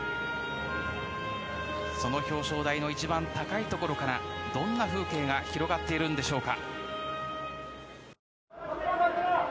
その表彰台の一番高いところからどんな風景が広がっているんでしょうか。